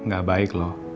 gak baik loh